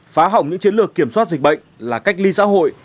phá hỏng những chiến lược kiểm soát dịch bệnh là cách ly xã hội